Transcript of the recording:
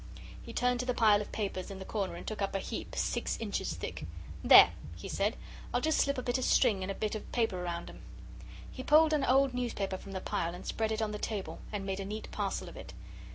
He turned to the pile of papers in the corner and took up a heap six inches thick. "There!" he said. "I'll just slip a bit of string and a bit of paper round 'em." He pulled an old newspaper from the pile and spread it on the table, and made a neat parcel of it.